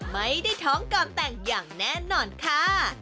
ไม่ได้ท้องก่อนแต่งอย่างแน่นอนค่ะ